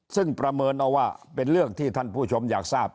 ซึ่งประเมินเอาว่าเป็นเรื่องที่ท่านผู้ชมอยากทราบ